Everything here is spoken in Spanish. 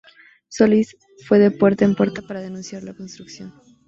Solis fue de puerta en puerta para denunciar la construcción.